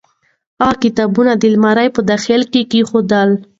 هغې کتابونه د المارۍ په داخل کې کېښودل.